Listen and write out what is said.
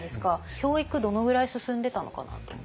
教育どのぐらい進んでたのかなと思って。